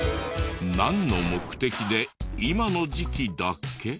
なんの目的で今の時期だけ？